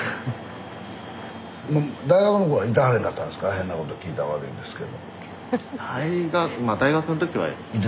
変なこと聞いたら悪いですけど。